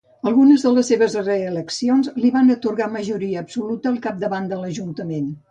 Algunes de les seves reeleccions li van atorgar majoria absoluta al capdavant de l'ajuntament.